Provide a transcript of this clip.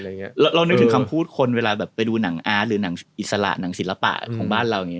เรานึกถึงคำพูดคนเวลาแบบไปดูหนังอาร์ตหรือหนังอิสระหนังศิลปะของบ้านเราอย่างนี้